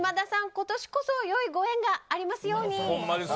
今年こそよいご縁がありますように。